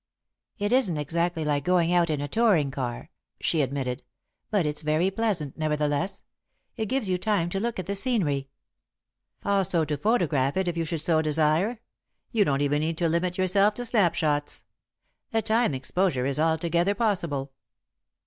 "It isn't exactly like going out in a touring car," she admitted, "but it's very pleasant, nevertheless. It gives you time to look at the scenery." "Also to photograph it if you should so desire. You don't even need to limit yourself to snap shots. A time exposure is altogether possible."